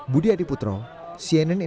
budi adiputro cnn indonesia